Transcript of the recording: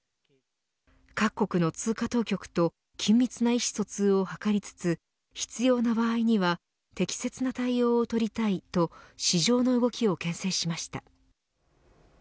各国の通貨当局と緊密な意思疎通を図りつつ必要な場合には適切な対応を取りたいと市場の動きをけん制しました。